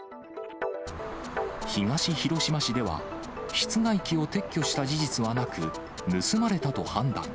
東広島市では、室外機を撤去した事実はなく、盗まれたと判断。